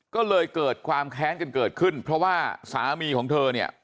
ก็เลยเกิดความแค้นกันเกิดขึ้นเพราะว่าสามีของเธอเนี่ย